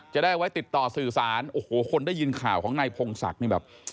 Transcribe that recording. จะได้ไว้ติดต่อสื่อสารโอ้โหคนได้ยินข่าวของนายพงศักดิ์นี่แบบ